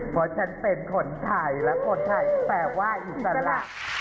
เพราะฉันเป็นคนไทยและคนไทยแปลว่าอิสระ